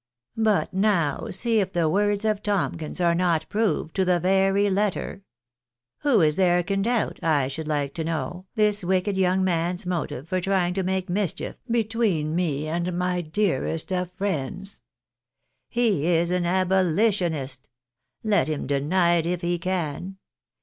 But now see if the words of Tomkins are not proved to the very letter ? Who is there can doubt, I should like to know, this wicked young man's motive for trying to make mischief between me and my dearest friends ? He is an abolitionist. Let him deny it if he can.